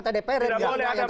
tidak boleh ada begitu